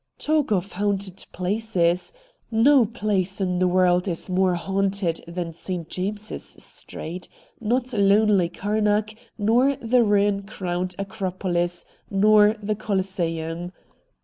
Talk of haunted places ! No place in the world is more haunted than St. James's Street : not lonely Karnak, nor the ruin crowned Acropohs, nor the Coliseum.